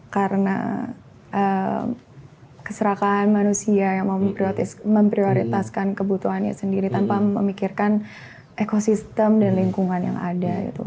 karena keserakaan manusia yang memprioritaskan kebutuhannya sendiri tanpa memikirkan ekosistem dan lingkungan yang ada gitu